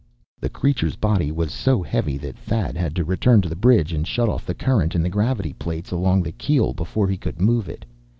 The creature's body was so heavy that Thad had to return to the bridge, and shut off the current in the gravity plates along the keel, before he could move it.